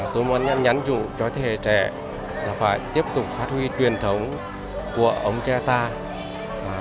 tôi muốn nhắn dụ cho thế hệ trẻ là phải tiếp tục phát huy truyền thống của ông cha ta